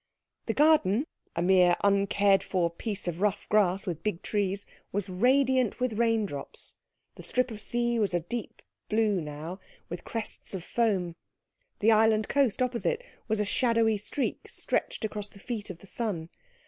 The garden, a mere uncared for piece of rough grass with big trees, was radiant with rain drops; the strip of sea was a deep blue now, with crests of foam; the island coast opposite was a shadowy streak stretched across the feet of the sun.